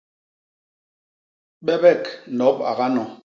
Bebek nop a gano.